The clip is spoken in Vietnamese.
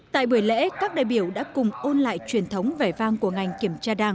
tại buổi lễ các đại biểu đã cùng ôn lại truyền thống vẻ vang của ngành kiểm tra đảng